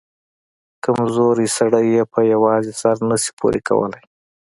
کمزورى سړى يې په يوازې سر نه سي پورې کولاى.